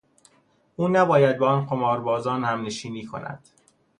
او نباید با آن قماربازان همنشینی کند.